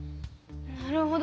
なるほど。